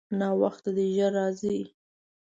ناوخته دی، ژر راځئ.